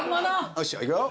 よっしゃいくよ。